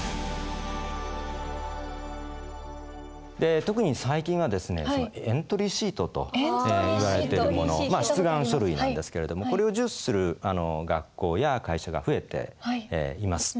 で特に最近はですねエントリーシートといわれてるものまあ出願書類なんですけれどもこれを重視する学校や会社が増えています。